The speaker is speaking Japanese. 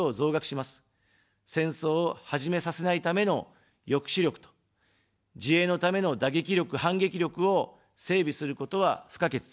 戦争を始めさせないための抑止力と、自衛のための打撃力、反撃力を整備することは不可欠です。